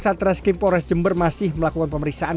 satreskrim polres jember masih melakukan pemeriksaan